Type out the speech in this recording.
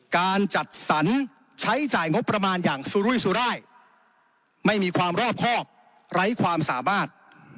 การจัดสรรใช้จ่ายงบประมาณอย่างสุรุยสุรายไม่มีความรอบครอบไร้ความสามารถ